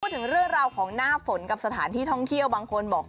ถึงเรื่องราวของหน้าฝนกับสถานที่ท่องเที่ยวบางคนบอก